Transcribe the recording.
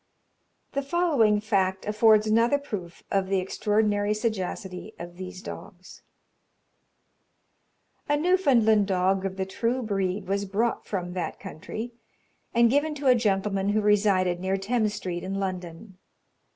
The following fact affords another proof of the extraordinary sagacity of these dogs. A Newfoundland dog of the true breed was brought from that country, and given to a gentleman who resided near Thames Street, in London.